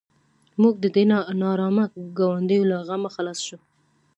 موږ د دې نارامه ګاونډیو له غمه خلاص شوو.